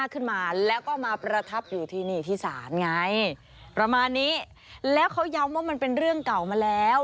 เขาย้ำว่ามันเป็นเรื่องเก่ามาแล้ว